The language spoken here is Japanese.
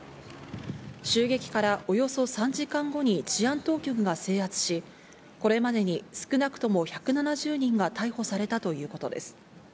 襲撃からおよそ３時間後に治安当局が制圧し、これまでに少なくとも１７０人が逮捕されたということです。